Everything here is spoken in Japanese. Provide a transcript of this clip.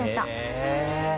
へえ！